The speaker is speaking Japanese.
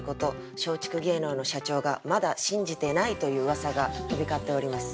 松竹芸能の社長がまだ信じてないといううわさが飛び交っております。